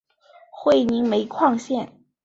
会宁煤矿线